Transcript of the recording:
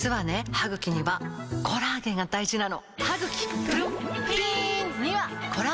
歯ぐきにはコラーゲンが大事なの！